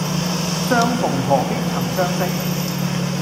相逢何必曾相識